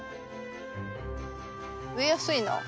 植えやすいな。